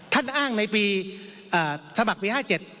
ท่านอ้างในปีสมัครปี๕๗